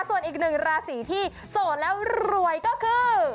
ส่วนอีกหนึ่งราศีที่โสดแล้วรวยก็คือ